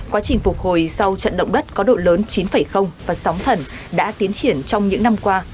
quá trình phục hồi sau trận động đất có độ lớn chín và sóng thần đã tiến triển trong những năm qua